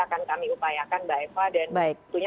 akan kami upayakan mbak eva dan tentunya